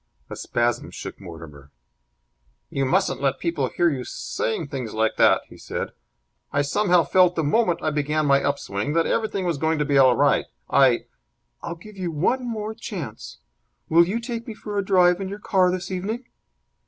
A spasm shook Mortimer. "You mustn't let people hear you saying things like that!" he said. "I somehow felt, the moment I began my up swing, that everything was going to be all right. I " "I'll give you one more chance. Will you take me for a drive in your car this evening?"